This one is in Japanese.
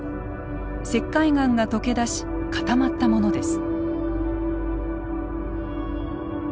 石灰岩が溶け出し固まったものです。